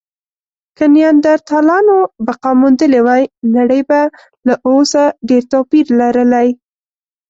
که نیاندرتالانو بقا موندلې وی، نړۍ به له اوس ډېر توپیر لرلی.